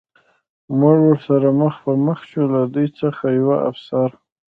موږ ورسره مخ په مخ شو، له دوی څخه یوه افسر.